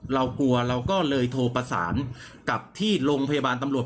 เรากลัวเราก็เลยโทรประสานกับที่โรงพยาบาลตำรวจ